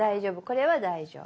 これは大丈夫。